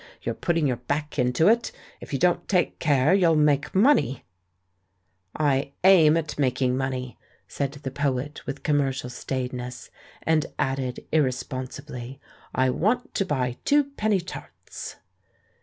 You're putting your back into it — if you don't i;ake care you'll make money !" "I aim at making money," said the poet with THE LADY OF LYONS' 325 commercial staidness; and added, irresponsibly^ "I want to buy twopenny tarts."